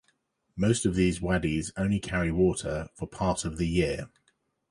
Most of these wadis only carry water for part of the year.